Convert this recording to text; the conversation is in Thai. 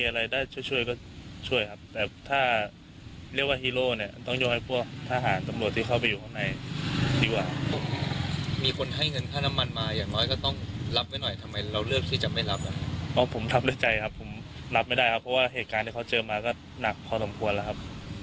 แล้วก็หนักพอสมควรแล้วครับ